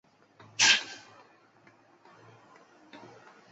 游戏以罗宾一行乘船出海继续完成使命而结束。